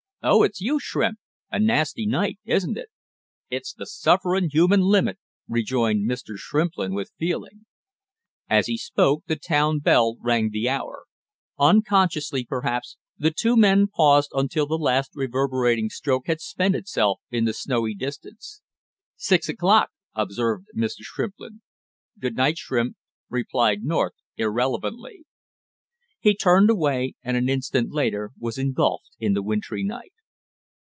"Oh, it's you, Shrimp! A nasty night, isn't it?" "It's the suffering human limit!" rejoined Mr. Shrimplin with feeling. As he spoke the town bell rang the hour; unconsciously, perhaps, the two men paused until the last reverberating stroke had spent itself in the snowy distance. "Six o'clock," observed Mr. Shrimplin. "Good night, Shrimp," replied North irrelevantly. He turned away and an instant later was engulfed in the wintry night.